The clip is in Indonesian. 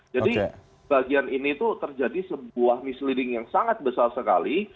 jadi bagian ini itu terjadi sebuah misleading yang sangat besar sekali